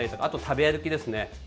あとは食べ歩きですね。